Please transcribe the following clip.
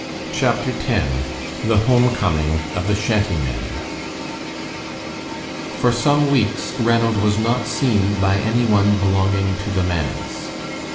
CHAPTER X THE HOME COMING OF THE SHANTYMEN For some weeks Ranald was not seen by any one belonging to the manse.